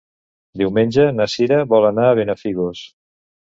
Diumenge na Cira vol anar a Benafigos.